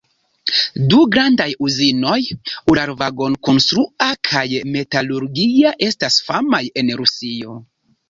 Du grandaj uzinoj—Uralvagonkonstrua kaj Metalurgia estas famaj en Rusio.